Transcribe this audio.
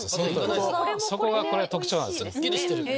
そこがこれ特徴なんですね。